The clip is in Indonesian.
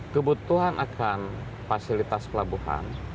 kebutuhan akan fasilitas pelabuhan